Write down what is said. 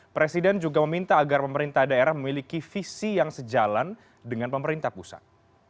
presiden juga meminta agar pemerintah daerah memiliki visi yang sejalan dengan pemerintah pusat